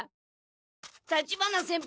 立花先輩！